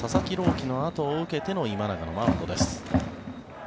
希の後を受けての今永のマウンドです。